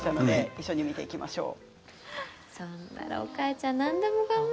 一緒に見ていきましょう。